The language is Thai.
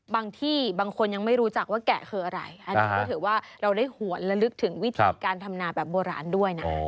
บางที่บางคนยังไม่รู้จักว่าแกะคืออะไรอันนี้ก็ถือว่าเราได้หวนและลึกถึงวิธีการทำนาแบบโบราณด้วยนะ